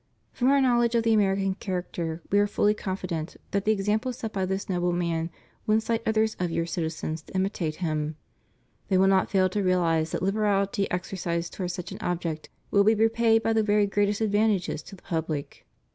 From Our knowledge of the American character. We are fully confident that the example set by this noble man will incite others of your citizens to imitate him; they will not fail to reahze that Uberahty exercised towards such an object will be repaid by the very greatest advantages to the public.